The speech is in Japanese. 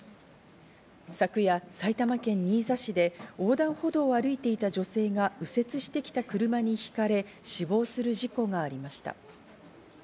昨夜、埼玉県新座市で横断歩道を歩いていた女性が右折してきた車にひかれ、死亡する事故がありました。